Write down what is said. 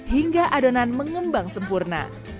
hingga adonan mengembang sempurna